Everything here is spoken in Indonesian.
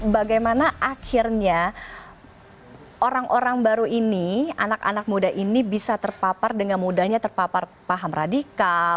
bagaimana akhirnya orang orang baru ini anak anak muda ini bisa terpapar dengan mudahnya terpapar paham radikal